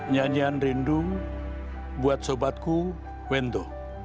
nyanyian rindu buat sobatku wendo